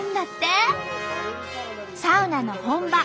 サウナの本場